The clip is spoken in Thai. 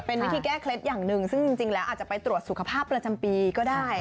เป็นวิธีแก้เคล็ดอย่างหนึ่งซึ่งจริงแล้วอาจจะไปตรวจสุขภาพประจำปีก็ได้